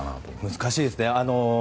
難しいですね。